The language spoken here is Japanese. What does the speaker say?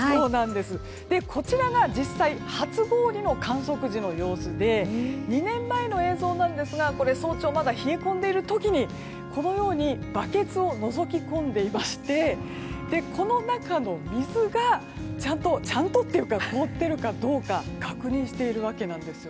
こちらが実際の初氷の観測時の様子で２年前の映像ですが早朝、まだ冷え込んでいる時にバケツをのぞき込んでいましてこの中の水がちゃんと凍っているかどうか確認しているわけなんです。